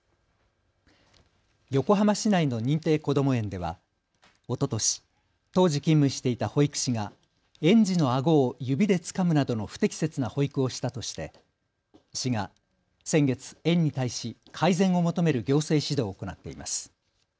横浜市内の認定こども園ではおととし、当時勤務していた保育士が園児のあごを指でつかむなどの不適切な保育をしたとして市が先月、園に対し改善を求める行政指導を行っています。